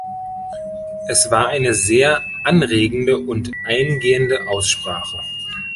Es war eine sehr anregende und eingehende Aussprache.